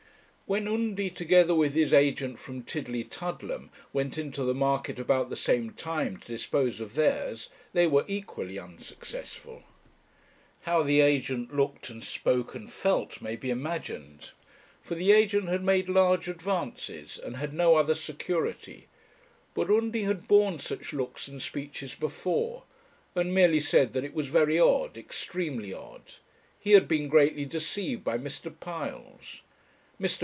When Undy, together with his agent from Tillietudlem, went into the market about the same time to dispose of theirs, they were equally unsuccessful. How the agent looked and spoke and felt may be imagined; for the agent had made large advances, and had no other security; but Undy had borne such looks and speeches before, and merely said that it was very odd extremely odd; he had been greatly deceived by Mr. Piles. Mr.